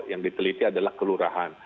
yang diteliti adalah kelurahan